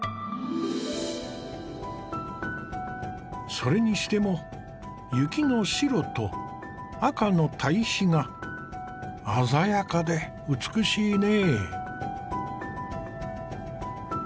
それにしても雪の白と赤の対比が鮮やかで美しいね。